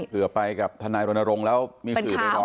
เพื่อไปกับทนายรณรงค์แล้วมีสื่อไปร้อง